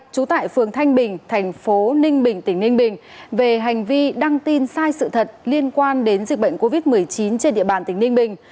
trú tại phường thanh bình thành phố ninh bình tỉnh ninh bình về hành vi đăng tin sai sự thật liên quan đến dịch bệnh covid một mươi chín trên địa bàn tỉnh ninh bình